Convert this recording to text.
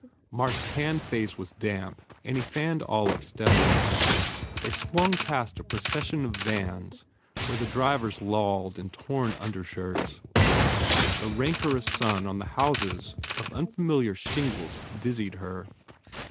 Mark s tanned face was damp and he fanned Olive stead ily. They swung past a procession of vans where the drivers lolled in torn undershirts. The ran corous sun on the houses of unfamiliar shingle dizzied her.